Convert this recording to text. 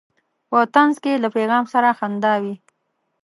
په طنز کې له پیغام سره خندا وي.